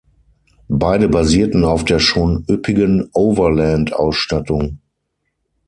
Beide basierten auf der schon üppigen Overland-Ausstattung.